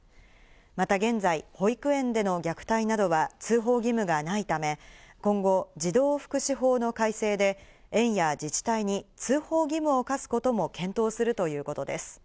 また現在、保育園での虐待などは通報義務がないため、今後、児童福祉法の改正で園や自治体に通報義務を課すことも検討するということです。